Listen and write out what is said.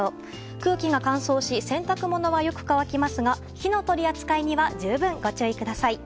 空気が乾燥し洗濯物はよく乾きますが火の取り扱いには十分ご注意ください。